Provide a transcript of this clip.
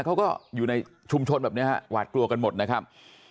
เขาก็อยู่ในชุมชนแบบนี้ฮะหวาดกลัวกันหมดนะครับ